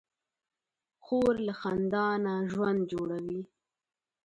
خور له خندا نه ژوند جوړوي.